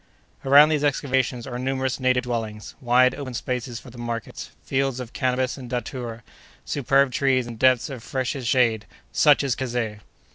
Around these excavations are numerous native dwellings; wide, open spaces for the markets; fields of cannabis and datura; superb trees and depths of freshest shade—such is Kazeh!